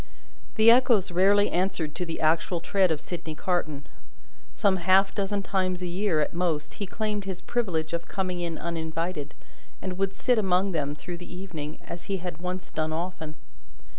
The Echoes rarely answered to the actual tread of Sydney Carton. Some half dozen times a year, at most, he claimed his privilege of coming in uninvited, and would sit among them through the evening, as he had once done often.